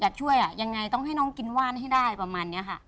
ช่วยอ่ะยังไงต้องให้น้องกินว่านให้ได้ประมาณนี้ค่ะ